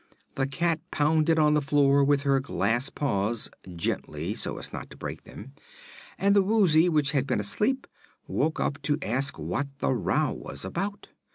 The cat pounded on the floor with her glass paws gently, so as not to break them and the Woozy, which had been asleep, woke up to ask what the row was about.